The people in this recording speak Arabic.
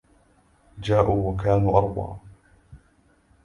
جاءوا وكانوا أربعة